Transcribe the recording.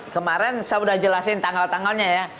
kemarin saya udah jelasin tanggal tanggalnya ya